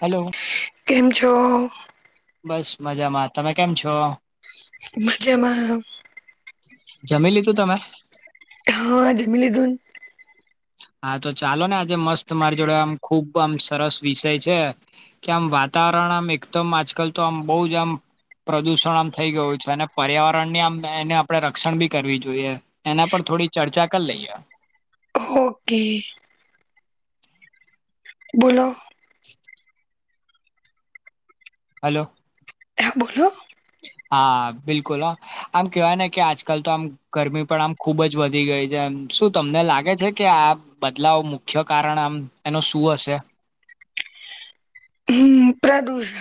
Hello કેમ છો બસ મજામાં તમે કેમ છો મજા માં જમી લીધું તમે હા જમી લીધૂ ન. હા તો ચાલો ને આજે મસ્ત મારી જોડે આમ ખુબ આમ સરસ વિષય છે. કે આમ વાતાવરણ આમ એકદમ આજકાલ તો આમ બહુ જ આમ પ્રદૂષણ આમ થઈ ગયુંય છે અને પર્યાવરણ ની આમ એને આપણે રક્ષણ બી કરવી જોઈએ એના પર થોડી ચર્ચા કરી લઈએ ઓકે બોલો [unintelligible] હલો હા બોલો. હા બિલકુલ આમ કેહેવાય ને કે આજકાલ તો આમ ગરમી પણ આમ ખુબ જ વધી ગઈ છે એમ શું તમને લાગે છે કે આ બદલાવ મુખ્ય કારણ આમ એનું શું હશે હમ્મ પ્રદૂષણ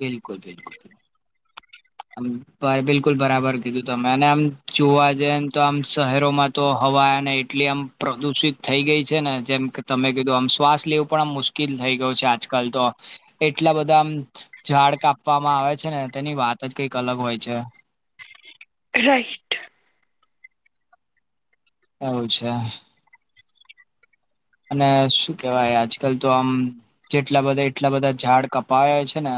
બિલકુલ બિલકુલ મ બિલકુલ બરાબર કીધું તમે અને આમ જોવા જઈએ ને તો આમ શહેરોમાં તો હવાને એટલી આમ પ્રદુષિત થઈ ગઈ છે ને જેમ કે તમે કીધું આમ શ્વાસ લેવું પણ આમ મુશ્ કીલ થઈ ગયું છે આજકલ તો. એટલા બધાં આમ ઝાડ કાપવામાં આવે છે ને તેની વાત જ કંઈક અલગ હોય છે. રાઈટ. એવું છે. અને શું કેવાય આજકલ તો આમ ચેટલા બધા એટલા બધા ઝાડ કપાયા છે ને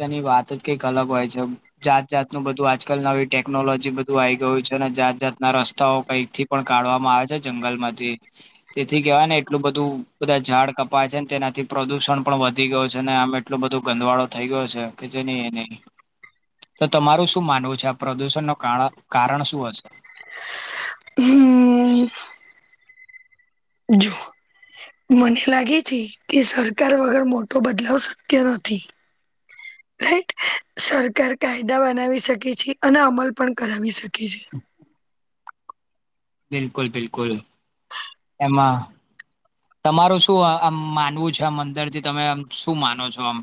તેની વાત જ કંઈક અલગ હોય છે. જાતજાતનું બધું આજકાલ નવી ટેકનોલોજી બધું આઈ ગયું છે ને જાતજાતના રસ્તાઓ કંઈથી પણ કાઢવામાં આવે છે, જંગલમાંથી. તેથી કેહેવાય ને એટલું બધું બધા ઝાડ કપાય છે ને તેનાથી પ્રદુષણ પણ વધી ગયું છે ને આમે એટલો બધો ગંદવાળો થઈ ગયો છે કે જે નહી એ નહી. તો તમારું શું માનવું છે, આ પ્રદુષણનો કાર કારણ શું હશે? હમ જો મને લાગે છે કે સરકાર વગર મોટો બદલાવ શક્ય નથી. [inaudible] રાઈટ? સરકાર કાયદા બનાવી શકે છે, અને અમલ પણ કરાવી શકે છે. બિલકુલ બિલકુલ. માં તમારું શું આમ માનવું છે? આમ અંદરથી તમે આમ શું માનો છો આમ?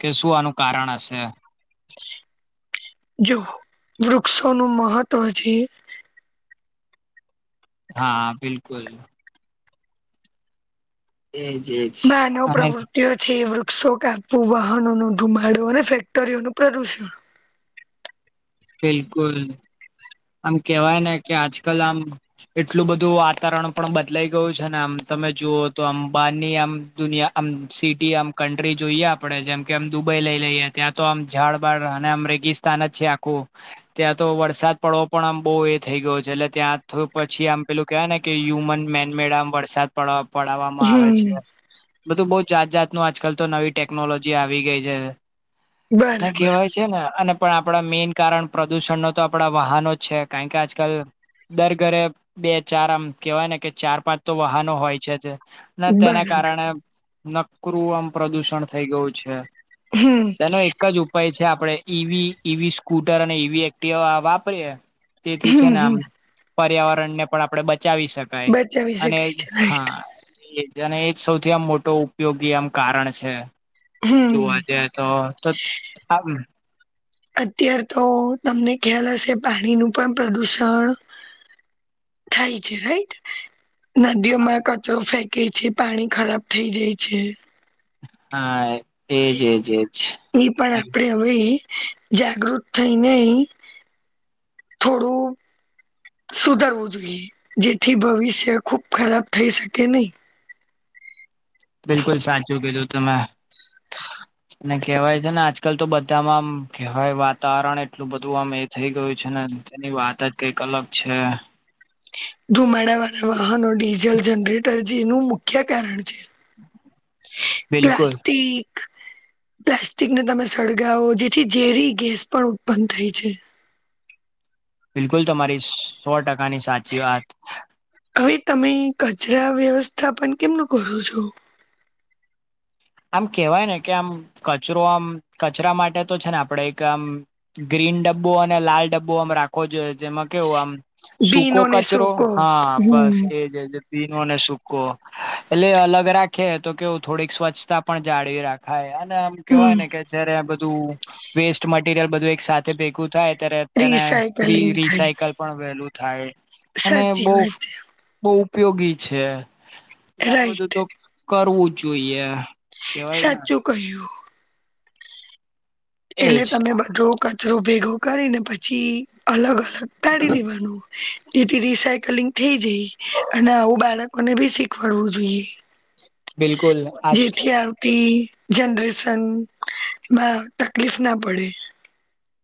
કે શું આનું કારણ હશે? જો વૃક્ષોનું મહત્ત્વ છે. હા બિલકુલ. એજ એજ. માનવ પ્ર અને [inaudible] તે છે, વૃક્ષો કાપવું વાહનોનો ધુમાડો અને ફેક્ટરીઓનું પ્રદુષણ. બિલકુલ. આમ કેવાય ને કે આજકલ આમ. એટલું બધું વાતાવરણ પણ બદલાઈ ગયું છે ને આમ તમે જુઓ તો આમ બહારની આમ દુનિયા. આમ સિટી આમ કન્ટ્રી જોઈએ આપડે જેમ કે આમ દુબઈ લઈ લઈએ ત્યાં તો આમ ઝાડબાડ અને આમ રેગીસ સ્તાન જ છે આખું. ત્યાં તો વરસાદ પડવો પણ આમ બહુ એ થઈ ગયો છે. એટલે ત્યાં થયું પછી આમ પેલું કહેવાય ને કે હ્યુમન મેનમેડ આમ વરસાદ. પણ પડાવામાં આવે છે. હમ બધું બહુ જાતજાતનું આજકલ તો નવી ટેકનોલોજી આવી ગઈ છે. અને બરાબર કેહેવાય છે ને અને પણ આપણા મેન કારણ પ્રદુષણનો તો આપડા વાહનો જ છે. કારણ કે આજકલ દર ઘરે બે ચાર આમ કેવાય ને કે ચાર પાંચ તો વાહનો હોય છે જ. ને તેના બરાબર કારણે [inaudible] નકરું આમ પ્રદુષણ થઈ ગયું છે. હમ તેનો એક જ ઉપ પાય છે આપડે. ઈવી ઈવી સ્કૂટર અને ઈવી એક્ટિવા વાપરીએ. તેથી છે હમ ને આમ. હમ પર્યાવરણને પણ આપણે બચાવી શક કઈ બચાવી અને શકાય છે રાઈટ હા એ. જેને એક સૌથી આમ મોટો ઉપયોગી આમ કારણ છે જોવા હમ જાય. તો તો ત આવી. અત્યાર તો તમને ખ્યાલ હશે પાણીનું પણ પ્રદુષણ. થાય છે રાઈટ? નદીઓમાં એ કચરો ફેંકે છે. પાણી ખરાબ થઈ જાય છે. હા એજ એજ એજ. ઈ પણ આપણે હવે જાગૃત થઈને થોડું. સુધરવું જોઈએ જેથી ભવિષ્ય ખુબ ખરાબ થઈ શકે નહી. બિલકુલ સાચું કીધું તમે. અને કહેવાય છે ને આજકાલ તો બધામાં આમ કહેવાય વાતાવરણ એટલું બધું આમ એ. થઈ ગયું છે ને તેની વાત જ કઈક અલગ છે. ધુમાડા વાળા વાહનો ડીઝલ જનરેટર જેનું મુખ્ય કારણ છે. હેઅ બિલકુલ પ્લાસ્ટિક. હવે પ્લાસ્ટિકને તમે સળગાવો જેથી ઝેરી ગેસ પણ ઉત્પન્ન થાય છે. બિલકુલ તમારી સી સો ટકાની સાચી વાત. હવે તમે કચરા વ્યવસ્થા પણન કેમનું કરો છો. આમ કેહેવાય ને કે આમ કચરો આમ કચરા માટે તો છે ને આપડે એક આમ. ગ્રીન ડબ્બો અને લાલ ડબ્બો આમ રાખવો જોઈએ જેમાં કેવું આમ. સૂકો ભીનોને કચરો સૂકો હા બસ હમ એજજ. દીનો અને સુૂકો એટલે અલગ રાખે તો કેવું થોડીક સ્વચ્છ. સ્વરછતા પણ જાળવી રાખાય અને આમ કેવાય હમ ને કે. જયારે આ બધું વેસ્ટ મટીરિયલ બધું એક સાથે ભેગું થાય ત્યારે. તને રી રિસાયકલિંગ રી થઈ રસાઈકલ. પણ વેલું થાય અને સાચી બહુ વાત બહુ ઉપયોગી છે. છે એટલે આ બધું રાઈટ તો કરવું જ જોઈએ. કેવાય ને સાચું કહ્યું. તેને એજ તમે બધો કચરો ભેગો કરીને પછી અલગ કાઢી દેવાનું. જેથી રિસાયકલિંગ થઈ જાય અને આવું બાળકોને બી શીખવાડવું જોઈએ. બિલકુલ આજ જેથી આવતી. જનરેશન માં તકલીફ ના પડે.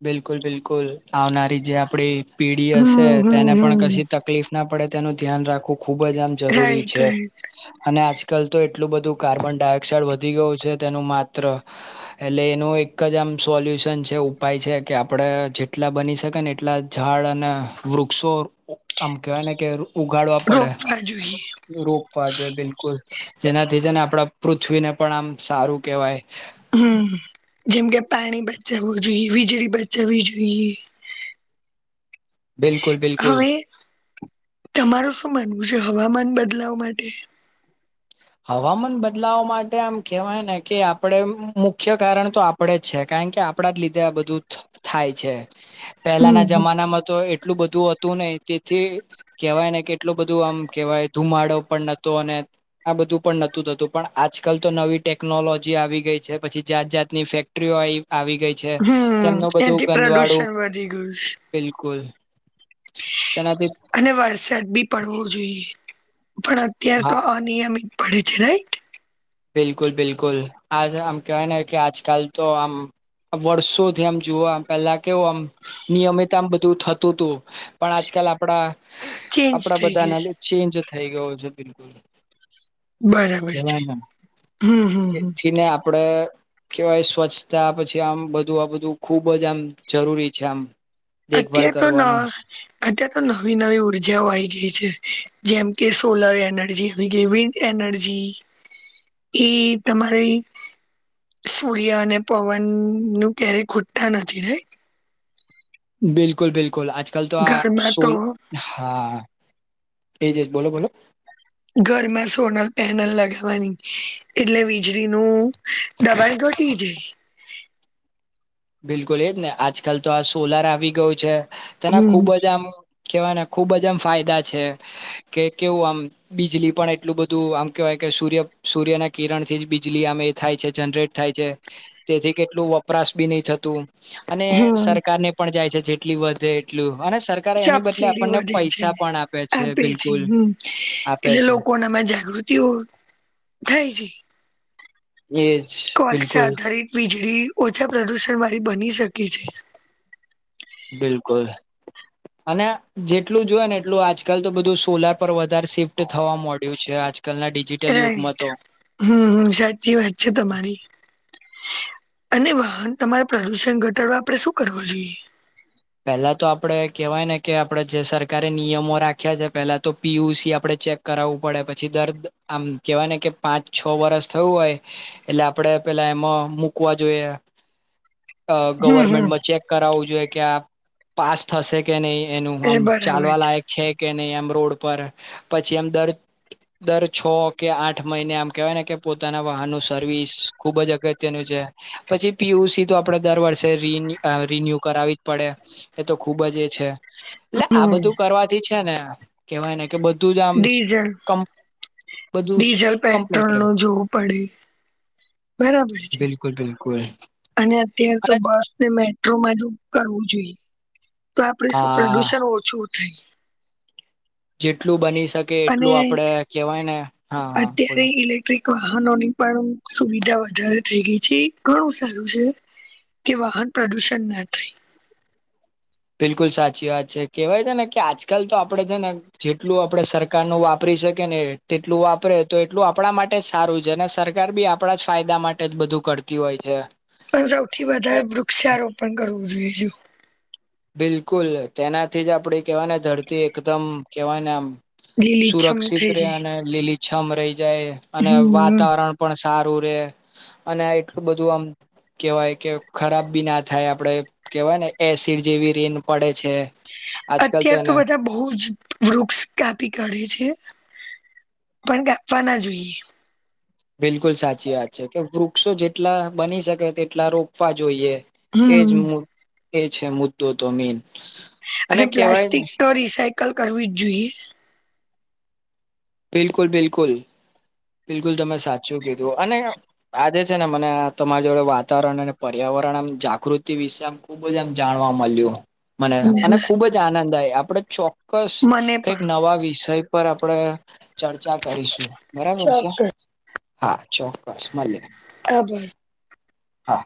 બિલકુલ બિલકુલ આવનારી જે આપડી પીડી હશે હમ હમ તેને પણ હમ કશી તકલીફ ના પડે તેનું ધ્યાન રાખવું ખુબ જ આમ જરૂરી રાઈટ છે. રાઈટ અને આજકાલ તો એટલું બધું કાર્બન ડાયોક્સાાઈડ વધી ગયું છે. તેનું માત્ર. એટલે એનું એક જ આમ સોલ્યુશન છેઉ. ઉપાય છે. કે આપડે જેટલા બની શકે ને એટલા ઝાડ અને વૃક્ષો. આમ કેવાય ને કે ઉગાડવા પડે, રોપવા જોઈએ રોપવા જોઈએ બિલકુલ જેનાથી છે. ને આપડા પૃથ્વીને પણ આમ સારું કેહેવાય. હમ જેમ કે પાણી બચાવવું જોઈએ વીજળી બચાવવી જોઈએ. [inaudible] તે અ બિલકુલ હવે તમારું શું માનવું છે. હવામાન બદલાવ માટે. હવામાન બદલાવ માટે આમ કેવાય ને કે આપડે મુખ્ય કારણ તો આપડે જ છે. કારણ કે આપડા જ લીધે આ બધું ધ થાય છે. પહેલાના હમ જમાના માં તોએ. એટલું બધું હતું ને તેથી. કહેવાય ને કેટલું બધું આમ કેવાય ધુમાડો પણ નતો અને આ બધું પણ નહોતું થતું પણ આજકાલ તો નવી ટેકનોલોજી આવી ગઈ છે. પછી જાત જાતની ફેક. ત્રીઓ આઈ આવી ગઈ છે. હમ તેમનું બધું એથી ગંધવાળું પ્રદુષણ વધી ગયું છે બિલકુલ. તેનાથી અને વરસાદ બી પડવો જોઈએ પણ અત્યારે તો હા અત. અિત પી છી ન [unintelligible] બિલકુલ બિલકુલ આજ આમ કહેવાય ને કે આજકાલ તો આમ. વર્ષોથી આમ જોવા પેલા કેવું આમ નિયમિત આમ બધું થતું તું. પણ આજકાલ આપડા ચેન્જ આપડા થઈ બધા ના ગયું છે ચેન્જ થઈ ગયો છે. બિલકુલ. બરાબર છે. હમ હમ હમ જેથી ને આપડે. કેહેવાય સ્વચ્છતા પછી આમ બધું આ બધું ખુબ જ આમ જરૂરી છે. આમ દેખભાલ અત્યા કો ના. કરવાનું અત્યાર તો નવી નવી ઉર્જાઓ આવી ગઈ છે. જેમ કે સોલર એનર્જી આવી ગઈ વિ એનર્જી ઇ તમારે. સૂર્ય અને પવન નું ક્યારેય ખુટા નથી રહી. બિલકુલ બિલકુલ આજ કાલ તો આ ઘરમાં તો સોલ? હા એજ જ બોલો બોલો. ઘરમાં સોલારપેનલ લગાવવાની એટલે વીજળીનું દબાણ ઘટી જાય. બિલકુલ એજ ને આજકાલ તો આ સોલાર આવી ગયુ છે. તેના ખુબ હમ જ આમ. કેવાના ખુબ જ આમ ફાયદા છે. કે કેવું આમ. બીજલી પણ એટલું બધું આમ કેહેવાય કે સૂર્ય સૂર્યના કિરણ થી જ બીજલી આમ થાય છે. જનરેટ. થાય છે. તેથી કેટલું વપરાશ બી નહી થતું અને હમ સરકાર ને પણ જાય છે. જેટલી વધે એટલું અને સરકારે એની બદલે સબસીડી આપણને વધે છે પૈસા પણ આપે છે. બિલકુલ આપે છે. એમાં જાગૃતિઓ થાય છે. એજ. કોલ છે બિલકુલ આધારિત વીજળી ઓછા પ્રદુષણ વાળી બની શકે છે. બિલકુલ અને જેટલું જોય ને એટલું આજકાલ તો બધું સોલાર પર વધારે શિફ્ટ થવા મળડ્યું છે. આજકાલના ડિજિટલ યુગમાં રાઈટ તો હમ હ સાચી વાત છે તમારી. અને વાહન તમારે પ્રદુષણ ઘટાડવા આપડે શું કરવું જોઈએ. પેલા તો આપડે કેહેવાય ને કે આપડે જે સરકારે નિયમો રાખ્યા છે પેલા તો પીયુસી આપડે ચેક કરાવવું પડે પછી દર આમ કેવાય ને કે પાંચ છ વરસ થયું હોય એટલે આપડે પેલા એમાં મુકવા જોઈએ. અ હમ હમ ગવર્મેન્ટમાં ચેક કરાવવું જોઈએ કે આ પાસ થશે કે નહી એનું આમ એ બરાબર ચાલવા લાયક છે કે નહી આમ રોડ પર પછી એમ દર દર છ કે આઠ મહિને આમ કેહેવાય ને કે પોતાના વાહનનું સર્વિસ ખુબ જ અગત્યનું છે. પછી પીયુસી તો આપડે દર વર્ષે રિ અ રિન્યુ કરાવી જ પડે. એ તો ખુબ જ એ છે એટલે આ હમ બધું કરવાથી છે ને કેવાય ને કે બધુંજ આમ ડીઝલ કમ બધું ડીઝલ કમ્પ્લેટ પેટ્રોલ રે નું જોવું પડે બરાબર છે. બિલકુલ એ. અને અત્યારે તો બસ ને મેટ્રોમાંજ કરવું જોઈએ. તો આપડે શું હા પ્રદુષણ ઓછું થાય. જેટલું બની શકે અને એટલું આપડે કેહેવાય ને હા હા અત્યારે બોલો ઇલેક્ટ્રિક વાહનોની પણ સુવિધા વધારે થઈ ગઈ છે. ઘણું સારું છે કે વાહન પ્રદુષણ ના થાય. બિલકુલ સાચી વાત છે કેવાય છે ને કે આજકાલ તો આપડે છે ને જેટલું આપડે સરકાર નું વાપરી શકી ને તેટલું વાપરે તો એટલું આપણા માટે ને સારું છે અને સરકાર બી આપણા જ ફાયદા માટે જ બધું કરતી હોય છે. પણ સૌથી વધારે વૃક્ષારોપણ કરવું જોઈએ જો. બિલકુલ તેનાથી જ આપડી કેવાય ને ધરતી એકદમ કેવાય ને આમ લીલીછમ સુરક્ષિત થઈ રે જાય અને લીલીછમ રહી જાય અને હમ વાતાવરણ પણ સારું રે અને આ એટલું બધું આમ કેવાય કે ખરાબ બી ના થાય આપડે કેવાય ને એસિડ જેવી રેન પડે છે. આજકાલ અત્યાર તો એને બધા બહુ જ વૃક્ષ કાપી કાઢે છે પણ કાપવા ના જોઈએ. બિલકુલ સાચી વાત છે કે વૃક્ષો જેટલા બની શકે તેટલા રોપવા જોઈએ. એજ હમ એ છે મુદ્દો તો મેઈન. અને પ્લાસ્ટિક તો રિસાયકલ કરવી જ જોઈએ. બિલકુલ બિલકુલ બિલકુલ તમે સાચું કીધું અને આજે છે ને મને તમારી જોડે વાતાવરણ અને પર્યાવરણ આમ જાગૃતિ વિશે આમ ખુબ જ એમ જાણવા મળ્યું. મને મને ખુબ જ આનંદ આ આપડ ચોક્કસ કઈક પણ નવા વિષય ઉપર આપણેે ચર્ચા કરીશું, બરાબર છે, ચોક્કસ હા, ચોક્કસ મલી ખબર- હા